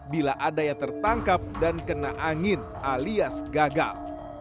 bila ada yang tertangkap dan kena angin alias gagal